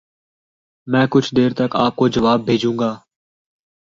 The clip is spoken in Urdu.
میں کچھ دیر تک آپ کو جواب بھیجوں گا۔۔۔